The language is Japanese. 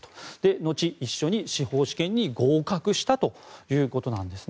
のち、一緒に司法試験に合格したということなんです。